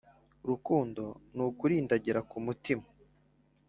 Rukundo n’ukurindagira ku mutima